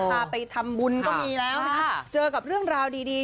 พาไปทำบุญก็มีแล้วนะเจอกับเรื่องราวดีดี